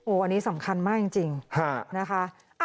อันนี้สำคัญมากจริงนะคะ